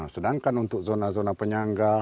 sedangkan untuk zona zona penyangga